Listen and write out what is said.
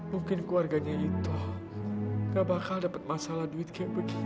mungkin keluarganya ito tidak akan mendapatkan masalah uang seperti ini